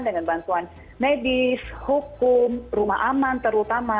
dengan bantuan medis hukum rumah aman terutama